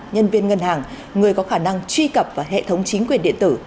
nhân viên ngân hàng người có khả năng truy cập vào hệ thống chính quyền điện tử